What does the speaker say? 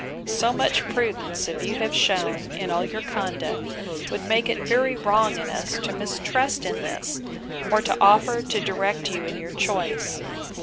So much prudence as you have shewn in all your conduct, would make it very wrong in us to mistrust it in this, or to offer to direct you in your choice.